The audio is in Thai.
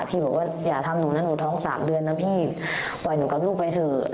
พี่บอกว่าอย่าทำหนูนะหนูท้อง๓เดือนนะพี่ปล่อยหนูกับลูกไปเถอะ